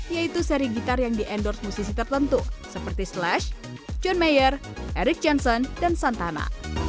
yaitu seri gitar yang di endorse musisi tertentu seperti slash john mayer eric johnson dan santana